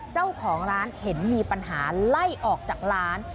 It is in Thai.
เจ้าของร้านเห็นมีปัญหาไล่ออกจากร้าน